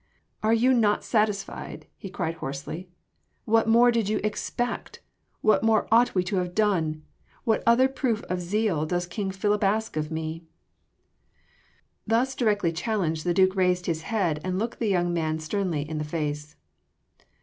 "Are you not satisfied?" he cried hoarsely. "What more did you expect? What more ought we to have done? What other proof of zeal does King Philip ask of me?" Thus directly challenged the Duke raised his head and looked the young man sternly in the face.